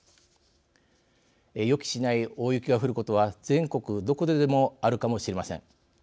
予期しない大雪が降ることは全国どこででもあるかもしれません。